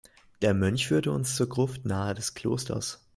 Der Mönch führte uns zur Gruft nahe des Klosters.